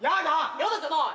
やだじゃない！